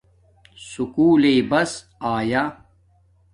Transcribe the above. سکُول لݵ بس آیا